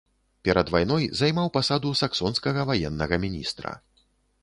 Перад вайной займаў пасаду саксонскага ваеннага міністра.